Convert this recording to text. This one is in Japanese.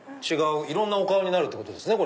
いろんなお顔になるんですね。